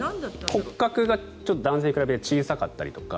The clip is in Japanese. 骨格が男性に比べて小さかったりだとか